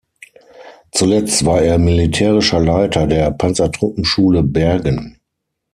Zuletzt war er Militärischer Leiter der Panzertruppenschule Bergen.